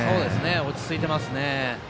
落ち着いていますね。